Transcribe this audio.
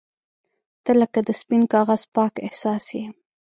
• ته لکه د سپین کاغذ پاک احساس یې.